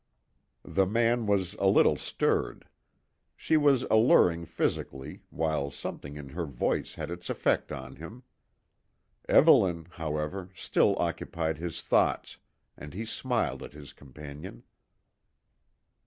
The man was a little stirred; she was alluring physically, while something in her voice had its effect on him. Evelyn, however, still occupied his thoughts, and he smiled at his companion.